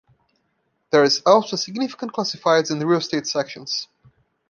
There is also a significant classifieds and real estate sections.